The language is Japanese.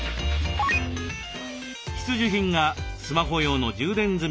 必需品がスマホ用の充電済みバッテリー。